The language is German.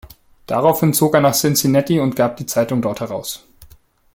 Daraufhin zog er nach Cincinnati und gab die Zeitung dort heraus.